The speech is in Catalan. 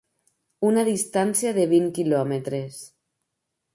Una distància de vint quilòmetres.